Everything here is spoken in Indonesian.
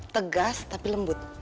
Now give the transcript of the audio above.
tegas tapi lembut